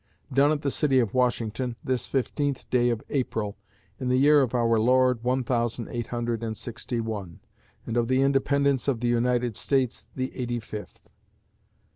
Done at the City of Washington, this fifteenth day of April, in the year of our Lord one thousand eight hundred and sixty one, and of the independence of the United States the eighty fifth.